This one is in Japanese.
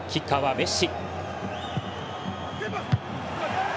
メッシ！